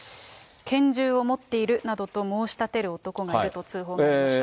拳銃を持っているなどと申し立てる男がいると通報がありました。